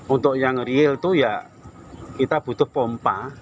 untuk yang real itu ya kita butuh pompa